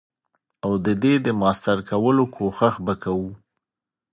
او ددی د ماستر کولو کوښښ به کوو.